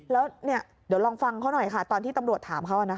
เดี๋ยวลองฟังเขาหน่อยตอนที่ตำรวจถามเขาล่ะนะคะ